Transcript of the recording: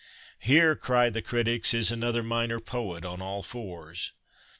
' Here,' cry the critics, • is another minor poet on all fours.'